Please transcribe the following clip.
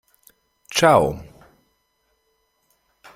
Ciao!